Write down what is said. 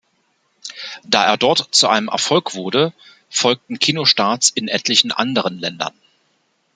Da er dort zu einem Erfolg wurde, folgten Kinostarts in etlichen anderen Ländern.